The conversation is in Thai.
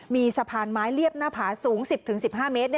มีสะพานไม้เรียบหน้าผาสูง๑๐๑๕เมตร